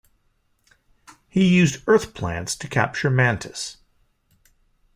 He used Earth plants to capture Mantis.